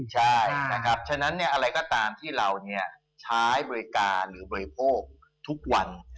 ใช่ฉะนั้นอะไรก็ตามที่เราเนี่ยใช้บริการหรือบริโภคทุกวัน